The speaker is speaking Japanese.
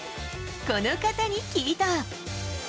この方に聞いた。